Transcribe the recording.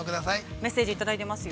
メッセージ、いただいてますよ。